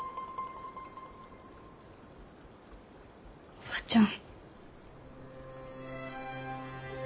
おばちゃん。